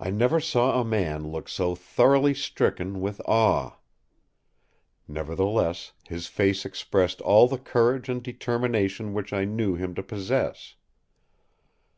I never saw a man look so thoroughly stricken with awe. Nevertheless his face expressed all the courage and determination which I knew him to possess.